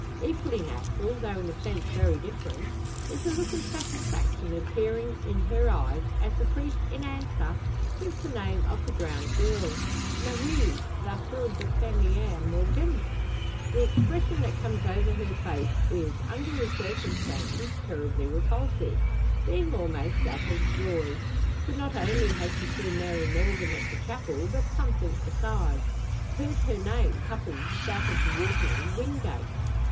Equally natural, though in a sense very different, is the look of satisfaction appearing in her eyes, as the priest in answer gives the name of the drowned girl. "Marie, la fille de fermier Morgan." The expression that comes over her face is, under the circumstances, terribly repulsive being almost that of joy! For not only has she seen Mary Morgan at the chapel, but something besides heard her name coupled with that of the waterman, Wingate.